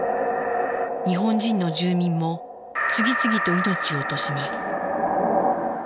日本人の住民も次々と命を落とします。